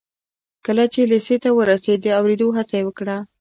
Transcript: کله چې لېسې ته ورسېد د اورېدو هڅه یې وکړه